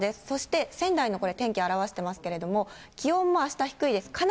そして仙台のこれ、天気表してますけれども、気温もあした低いです。